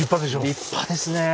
立派ですねえ。